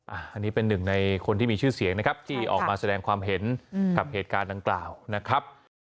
อันนี้เป็นหนึ่งในคนที่มีชื่อเสียงนะครับที่ออกมาแสดงความเห็นกับเหตุการณ์ดังกล่าวนะครับ